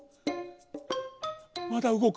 まだうごく？